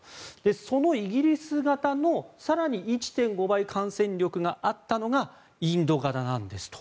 そのイギリス型の更に１．５倍感染力があったのがインド型なんですと。